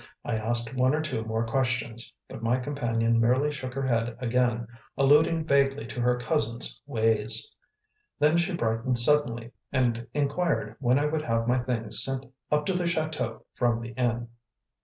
I asked one or two more questions, but my companion merely shook her head again, alluding vaguely to her cousin's "ways." Then she brightened suddenly, and inquired when I would have my things sent up to the chateau from the inn.